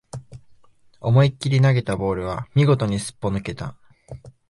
思いっきり投げたボールは見事にすっぽ抜けた